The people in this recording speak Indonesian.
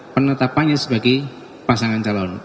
penetapannya sebagai pasangan calon